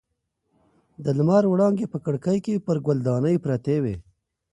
د لمر وړانګې په کړکۍ کې پر ګل دانۍ پرتې وې.